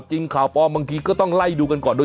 จริงข่าวปลอมบางทีก็ต้องไล่ดูกันก่อนด้วย